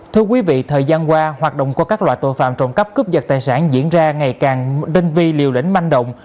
thưa quý vị thời gian qua hoạt động của các loại tội phạm trộm cắp cướp vật tài sản diễn ra ngày càng đênh vi liều đỉnh manh động